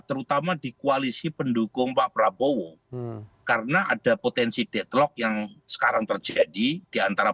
terutama di koalisi pendukung pak prabowo karena ada potensi deadlock yang sekarang terjadi diantara